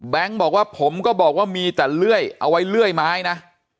บอกว่าผมก็บอกว่ามีแต่เลื่อยเอาไว้เลื่อยไม้นะ